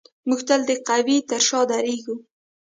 موږ تل د قوي تر شا درېږو.